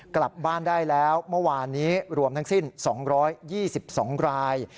กลับบ้านได้แล้วเมื่อวานนี้รวมทั้งสิ้น๒๒ราย